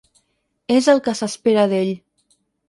És el que s'espera d'ell.